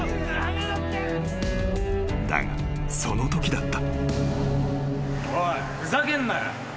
［だがそのときだった］